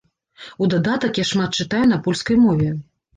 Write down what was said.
У дадатак я шмат чытаю на польскай мове.